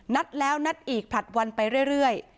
นัดแล้วนัดอีกผลัดวันไปเรื่อย